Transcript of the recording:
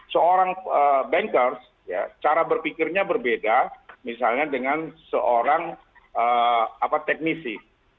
seorang bankers cara berpikirnya berbeda misalnya dengan seorang teknisi